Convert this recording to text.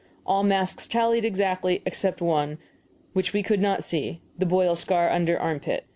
All marks tallied exactly except one, which we could not see the boil scar under armpit.